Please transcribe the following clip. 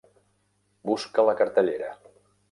Busca la cartellera.